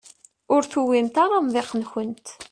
Ur tewwimt ara amḍiq-nkent.